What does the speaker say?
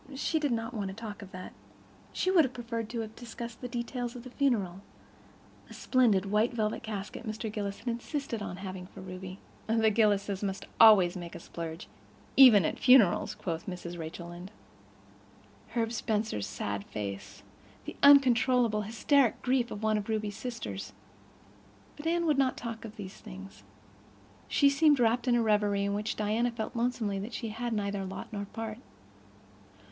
She did not want to talk of that. She would have preferred to have discussed the details of the funeral—the splendid white velvet casket Mr. Gillis had insisted on having for Ruby—"the Gillises must always make a splurge, even at funerals," quoth Mrs. Rachel Lynde—Herb Spencer's sad face, the uncontrolled, hysteric grief of one of Ruby's sisters—but Anne would not talk of these things. She seemed wrapped in a reverie in which Diana felt lonesomely that she had neither lot nor part.